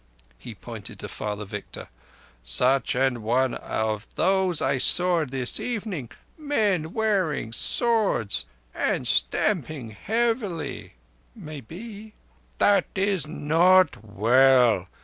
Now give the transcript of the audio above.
He pointed to Father Victor. "Such an one as those I saw this evening, men wearing swords and stamping heavily?" "Maybe." "That is not well.